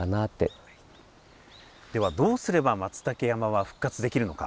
ではどうすればマツタケ山は復活できるのか。